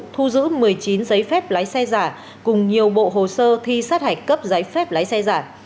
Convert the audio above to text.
thu giữ một mươi chín giấy phép lái xe giả cùng nhiều bộ hồ sơ thi sát hạch cấp giấy phép lái xe giả